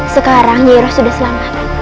sekarang yira sudah selamat